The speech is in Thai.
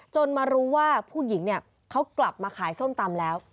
มารู้ว่าผู้หญิงเนี่ยเขากลับมาขายส้มตำแล้ว